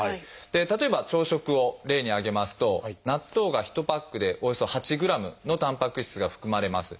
例えば朝食を例に挙げますと納豆が１パックでおよそ８ｇのたんぱく質が含まれます。